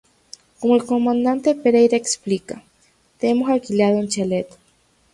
Como el comandante Pereira explica: "Te hemos alquilado un chalet.